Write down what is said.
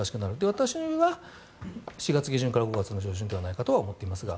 私は、４月下旬から５月の上旬ではと思っていますが。